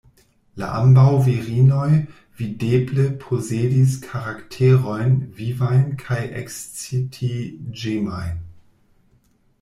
La ambaŭ virinoj videble posedis karakterojn vivajn kaj ekscitiĝemajn.